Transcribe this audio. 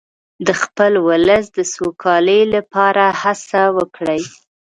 د خپل ولس د سوکالۍ لپاره هڅه وکړئ.